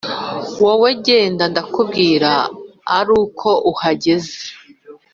Wowe genda ndakubwira aruko uhagaze